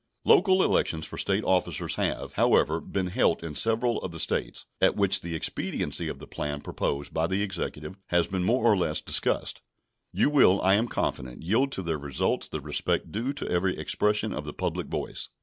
Local elections for State officers have, however, been held in several of the States, at which the expediency of the plan proposed by the Executive has been more or less discussed. You will, I am confident, yield to their results the respect due to every expression of the public voice.